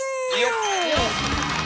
よっ！